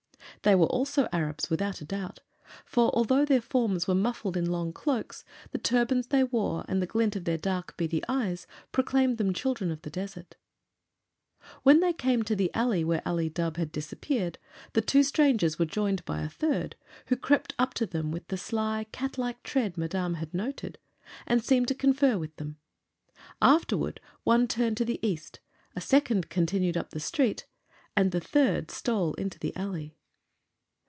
They were also Arabs, without a doubt; for although their forms were muffled in long cloaks, the turbans they wore and the glint of their dark, beady eyes proclaimed them children of the desert. When they came to the alley where Ali Dubh had disappeared, the two strangers were joined by a third, who crept up to them with the sly, cat like tread Madame had noted, and seemed to confer with them. Afterward one turned to the east, a second continued up the street, and the third stole into the alley.